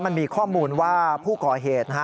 มันมีข้อมูลว่าผู้ก่อเหตุนะฮะ